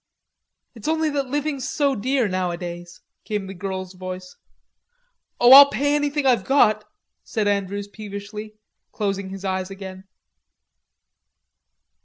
"It's only that living's so dear nowadays," came the girl's voice. "Oh, I'll pay anything I've got," said Andrews peevishly, closing his eyes again.